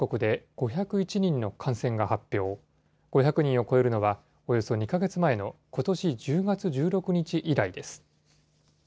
５００人を超えるのは、およそ２か月前のことし１０月１６日以来です。